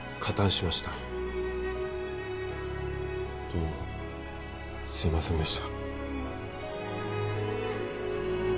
どうもすいませんでした。